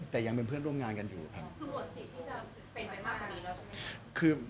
แต่ยังเป็นเพื่อนร่วมงานกันอยู่ครับ